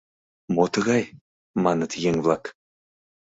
— Мо тыгай? — маныт еҥ-влак.